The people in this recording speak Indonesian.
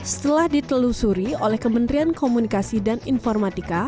setelah ditelusuri oleh kementerian komunikasi dan informatika